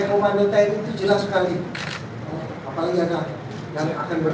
perpecahan ada kelompok